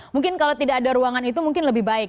mungkin kalau tidak ada ruangan itu mungkin lebih baik